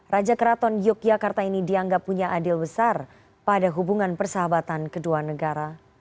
raja keraton yogyakarta ini dianggap punya adil besar pada hubungan persahabatan kedua negara